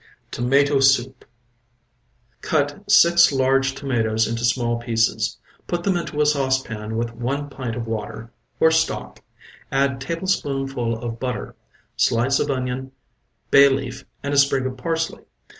TOMATO SOUP Cut six large tomatoes into small pieces. Put them into a saucepan with one pint of water, or stock, add tablespoonful of butter, slice of onion, bay leaf and a sprig of parsley.